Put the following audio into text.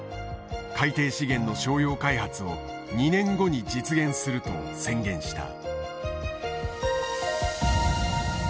海底資源の商用開発を２年後に実現すると宣言した。